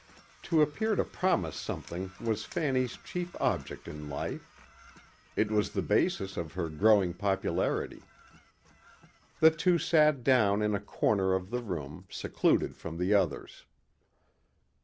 To appear to promise something was Fanny's chief object in life. It was the basis of her growing popularity. The two sat down in a corner of the room secluded from the others.